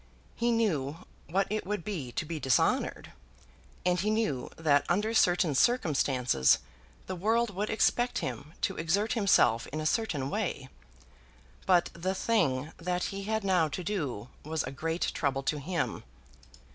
He knew what it would be to be dishonoured, and he knew that under certain circumstances the world would expect him to exert himself in a certain way. But the thing that he had now to do was a great trouble to him.